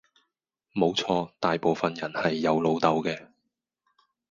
冇錯，大部份人係有老豆嘅